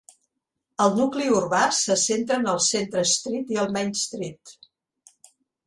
El nucli urbà se centra en el Centre Street i el Main Street.